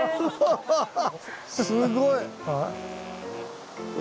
すごい！え？